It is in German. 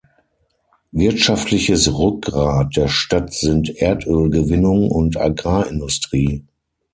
Wirtschaftliches Rückgrat der Stadt sind Erdölgewinnung und Agrarindustrie.